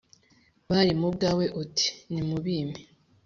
Bari mu byawe uti : Nimubimpe.